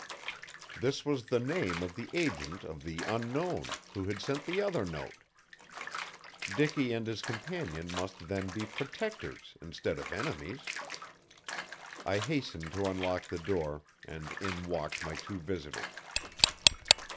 This was the name of the agent of the Unknown, who had sent the other note. Dicky and his companion must then be protectors instead of enemies. I hastened to unlock the door, and in walked my two visitors.